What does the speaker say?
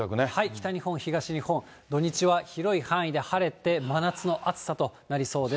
北日本、東日本、土日は広い範囲で晴れて、真夏の暑さとなりそうです。